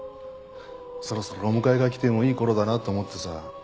そろそろお迎えが来てもいい頃だなと思ってさ。